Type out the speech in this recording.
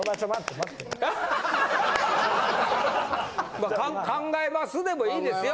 まあ「考えます」でも良いですよ。